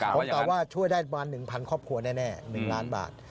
ผมตอบว่าช่วยได้ประมาณ๑๐๐ครอบครัวแน่๑ล้านบาท